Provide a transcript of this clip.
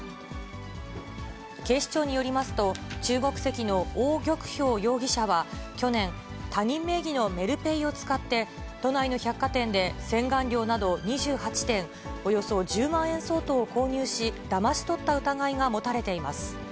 警視庁によりますと、中国籍の王玉氷容疑者は去年、他人名義のメルペイを使って、都内の百貨店で洗顔料など２８点、およそ１０万円相当を購入し、だまし取った疑いが持たれています。